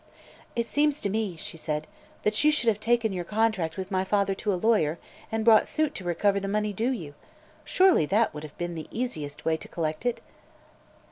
"It seems to me," she said, "that you should have taken your contract with my father to a lawyer, and brought suit to recover the money due you. Surely that would have been the easiest way to collect it."